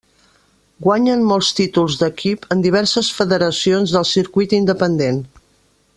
Guanyen molts títols d'equip en diverses federacions del circuit independent.